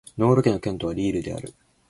ノール県の県都はリールである